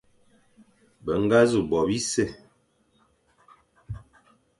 Be ñga nẑu bo bise,